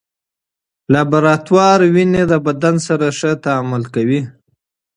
لابراتوار وینه د بدن سره ښه تعامل کوي.